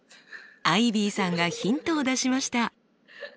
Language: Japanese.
アイビーさんがヒントを出しました。